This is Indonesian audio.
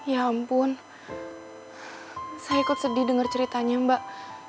ya ampun saya ikut sedih dengar ceritanya mbak